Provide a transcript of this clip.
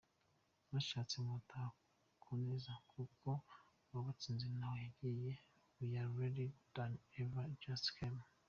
mushatse mwataha kuneza kuko uwabatsinze ntaho yagiye we are ready than ever just come